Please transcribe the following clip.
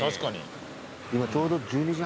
今ちょうど。